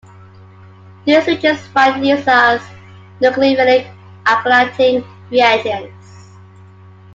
These reagents find use as nucleophilic alkylating reagents.